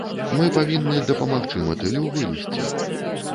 Мы павінны дапамагчы матылю вылезці.